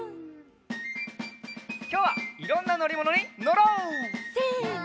きょうはいろんなのりものにのろう！せの。